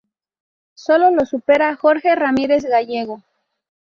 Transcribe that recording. Solo lo supera Jorge Ramírez Gallego.